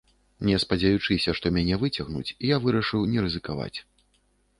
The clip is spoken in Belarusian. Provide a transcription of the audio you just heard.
Не спадзяючыся, што мяне выцягнуць, я вырашыў не рызыкаваць.